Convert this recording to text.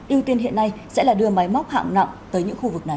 yêu tiên hiện nay sẽ là đưa máy móc hạng nặng tới những khu vực này